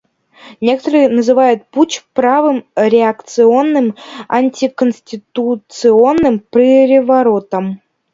Некоторые называют путч правым реакционным антиконституционным переворотом.